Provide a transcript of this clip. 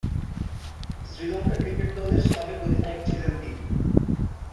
Sri Lanka cricket দলের সাবেক অধিনায়ক ছিলেন তিনি।